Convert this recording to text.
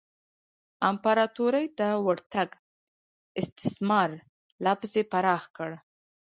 امپراتورۍ ته ورتګ استثمار لا پسې پراخ کړ.